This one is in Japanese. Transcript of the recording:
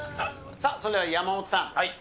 さあ、それでは山本さん。